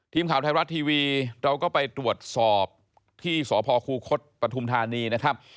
ทีมข่าวไทยรัฐทีวีเราก็ไปตรวจสอบที่สพคูคศปฐุมธานีนะครับ